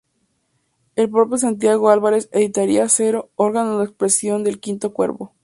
El propio Santiago Álvarez editaría "Acero", órgano de expresión del V Cuerpo.